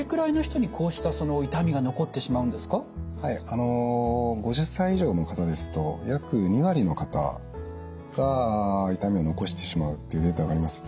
あの５０歳以上の方ですと約２割の方が痛みを残してしまうっていうデータがあります。